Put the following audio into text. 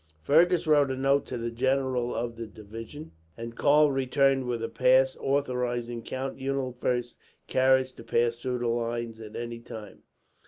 Fergus wrote a note to the general of the division, and Karl returned with a pass authorizing Count Eulenfurst's carriage to pass through the lines, at any time.